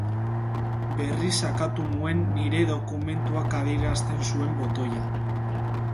Berriz sakatu nuen Nire dokumentuak adierazten zuen botoia.